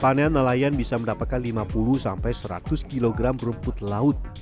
panen nelayan bisa mendapatkan lima puluh sampai seratus kilogram rumput laut